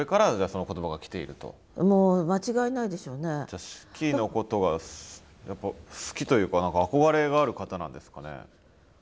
じゃ子規のことが好きというか憧れがある方なんですかね。